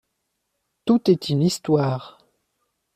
Tout est une histoire.